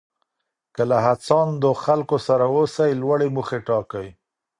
که له هڅاندو خلکو سره اوسئ لوړې موخې ټاکئ.